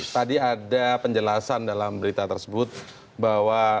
tadi ada penjelasan dalam berita tersebut bahwa